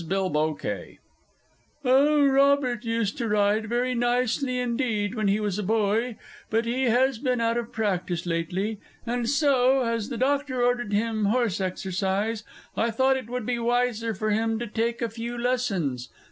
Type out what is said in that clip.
BILBOW KAY. Oh, Robert used to ride very nicely indeed when he was a boy; but he has been out of practice lately, and so, as the Doctor ordered him horse exercise, I thought it would be wiser for him to take a few lessons.